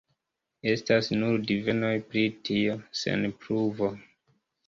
Estas nur divenoj pri tio, sen pruvo.